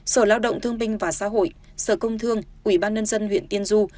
sở lao động thương binh và xã hội sở công thương ủy ban nhân dân huyện tiên du